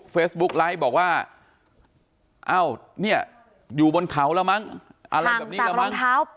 เฟซบุ๊กไลค์บอกว่าเอ้าเนี้ยอยู่บนเขาแล้วมั้งห่างจากรองเท้า